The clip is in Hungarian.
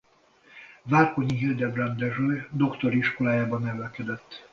Várkonyi Hildebrand Dezső doktori iskolájában nevelkedett.